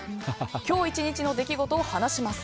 今日１日の出来事を話します。